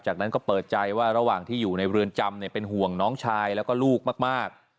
จากนั้นก็เปิดใจว่าระหว่างที่อยู่ในเรือนจำเป็นห่วงน้องชายแล้วก็ลูกมาก